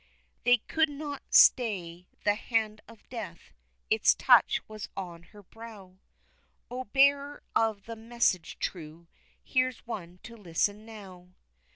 They could not stay the hand of death, its touch was on her brow, O, bearer of the message true, here's one to listen now!